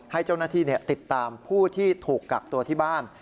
ให้เจ้าหน้าที่ติดตามผู้ที่ถูกกักตัวที่บ้าน